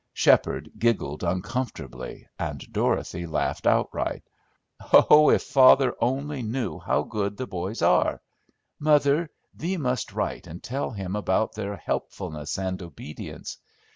Sheppard giggled uncomfortably, and Dorothy laughed outright. "Oh, if father only knew how good the boys are! Mother, thee must write and tell him about their 'helpfulness and obedience'!